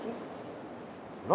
何？